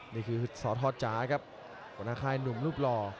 นี่คือสทจ๋าครับหัวหน้าค่ายหนุ่มรูปหล่อ